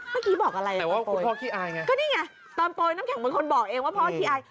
เมื่อกี้บอกอะไรนะตอนโปรยตอนโปรยน้ำแข็งมันคนบอกเองว่าพ่อคิดอาย